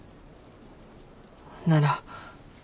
なら。